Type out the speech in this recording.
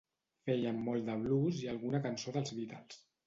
Feien molt de blues i alguna cançó dels Beatles.